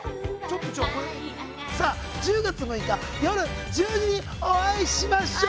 さあ、１０月６日夜１０時にお会いしましょう。